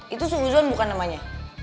itu seuzon bukan namanya